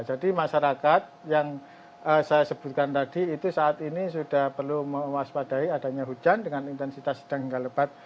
jadi masyarakat yang saya sebutkan tadi itu saat ini sudah perlu mewaspadai adanya hujan dengan intensitas sedang galepat